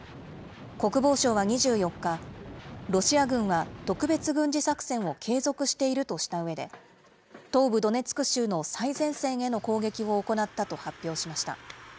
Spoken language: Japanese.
国防省は２４日、ロシア軍は特別軍事作戦を継続しているとしたうえで、東部ドネツク州の最前線への攻撃を行ったと発表しました。